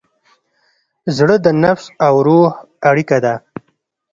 زړه د نفس او روح اړیکه ده.